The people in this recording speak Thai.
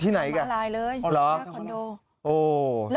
ที่ไหนกันอ่อหรือฮะทางมะลายเลยเนื้อคอนโด